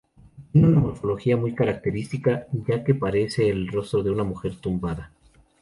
Tiene una morfología muy característica, ya que parece el rostro de una mujer tumbada.